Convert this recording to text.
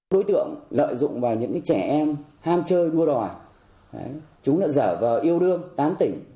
đối tượng lợi dụng vào những trẻ em ham chơi mua đòi chúng đã giả vờ yêu đương tán tỉnh